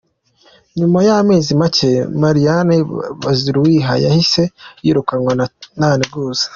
Nyuma y’amezi macye, Marianne Baziruwiha yahise yirukanwa nta nteguza.